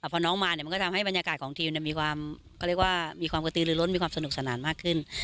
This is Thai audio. พอน้องมาเนี่ยมันก็ทำให้บรรยากาศของทีมเนี่ยมีความกระตื้นลื้อล้นมีความสนุกสนานมากขึ้น